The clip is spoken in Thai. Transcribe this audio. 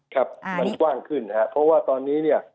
ครับมันกว้างขึ้นครับเพราะว่าตอนนี้